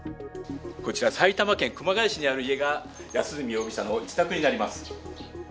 こちら埼玉県熊谷市にある家が安栖容疑者の自宅になります。